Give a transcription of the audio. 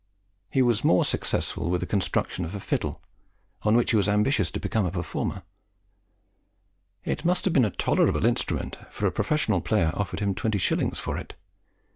He was more successful with the construction of a fiddle, on which he was ambitious to become a performer. It must have been a tolerable instrument, for a professional player offered him 20s. for it.